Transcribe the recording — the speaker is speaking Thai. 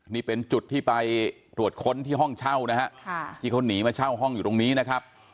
นี่เป็นจุดที่ไปตรวจค้นที่ห้องเช่านะฮะที่เขาหนีมาเช่าห้องอยู่ตรงนี้นะครับ